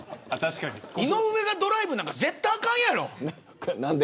井上がドライブなんか絶対あかんやろ。